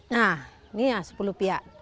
nah ini ya sepuluh pihak